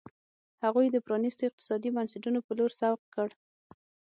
هغوی د پرانیستو اقتصادي بنسټونو په لور سوق کړ.